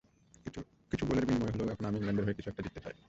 কিছু গোলের বিনিময়ে হলেও এখন আমি ইংল্যান্ডের হয়ে কিছু একটা জিততে চাই।